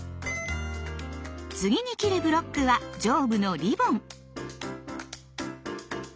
次に切るブロックは上部のリボン。